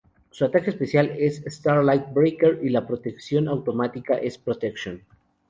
Su ataque especial es "Starlight Breaker" y la protección automática es "Protection".